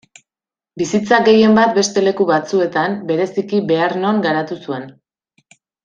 Bizitza gehienbat beste leku batzuetan, bereziki Bearnon garatu zuen.